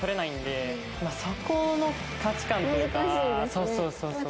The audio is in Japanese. そうそうそうそう。